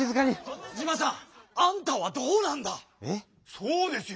そうですよ。